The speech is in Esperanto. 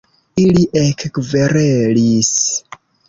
Ili ekkverelis.